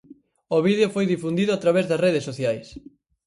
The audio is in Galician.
O vídeo foi difundido a través das redes sociais.